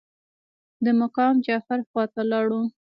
د مقام جعفر خواته لاړو.